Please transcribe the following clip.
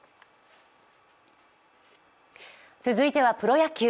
続いてプロ野球。